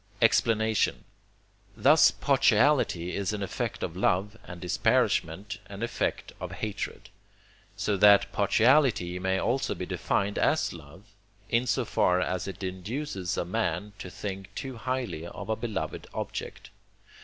Explanation Thus partiality is an effect of love, and disparagement an effect of hatred: so that partiality may also be defined as love, in so far as it induces a man to think too highly of a beloved object.